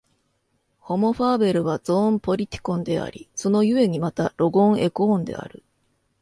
ホモ・ファーベルはゾーン・ポリティコンであり、その故にまたロゴン・エコーンである。